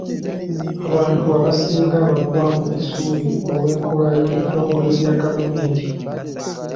Abantu abasinga baggwaamu essuubi olw'enkola y’ebitongole bya gavumenti.